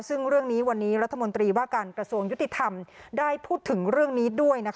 ซึ่งเรื่องนี้วันนี้รัฐมนตรีว่าการกระทรวงยุติธรรมได้พูดถึงเรื่องนี้ด้วย